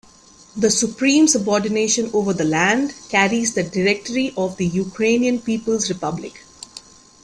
The Supreme subordination over the land carries the Directory of the Ukrainian People's Republic.